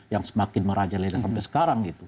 yang semakin merajalai sampai sekarang